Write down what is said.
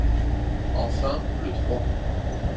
Enfin, le trois.